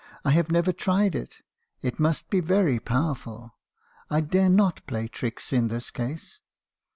'I have never tried it. It must be very powerful. I dare not play tricks in this case.'